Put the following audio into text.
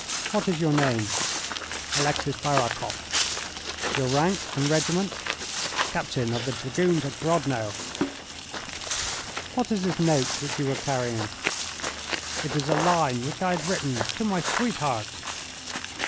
"What is your name?" "Alexis Barakoff." "Your rank and regiment?" "Captain of the Dragoons of Grodno." "What is this note which you were carrying?" "It is a line which I had written to my sweetheart."